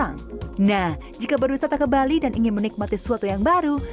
nah jika berwisata ke bali dan ingin menikmati sesuatu yang baru